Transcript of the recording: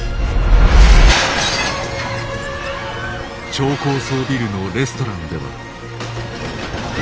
超高層ビルのレストランでは。